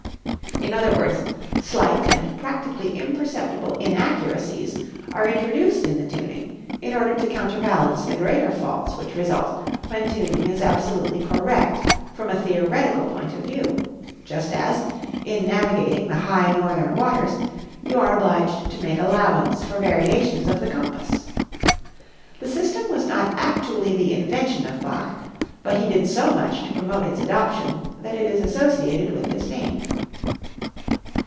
In other words, slight and practically imperceptible inaccuracies are introduced in the tuning in order to counterbalance the greater faults which result when tuning is absolutely correct from a theoretical point of view; just as, in navigating the high northern waters, you are obliged to make allowance for variations of the compass. The system was not actually the invention of Bach, but he did so much to promote its adoption that it is associated with his name.